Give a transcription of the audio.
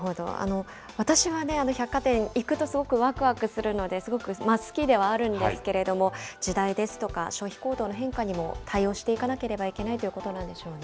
私は百貨店、行くとすごくわくわくするので、すごく好きではあるんですけれども、時代ですとか消費行動の変化にも対応していかなければいけないということなんでしょうね。